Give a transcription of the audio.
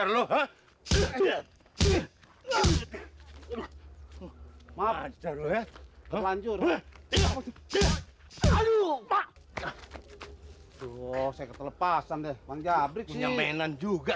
lho ha ha ha hai maaf anjur hai aduh maksa kelepasan deh manjabrik punya mainan juga